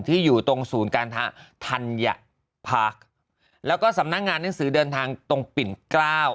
อยู่ตรงศูนย์การธัญพักแล้วก็สำนักงานหนังสือเดินทางตรงปิ่นเกล้า